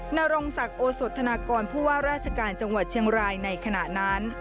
นรงศักดิ์โอสธนากรผู้ว่าราชการจังหวัดเชียงรายในขณะนั้น